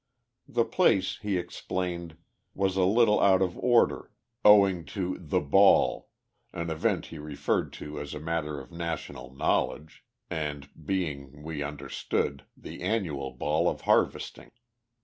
The place, he explained, was a little out of order, owing to "the ball" an event he referred to as a matter of national knowledge, and being, we understood, the annual ball of harvesting.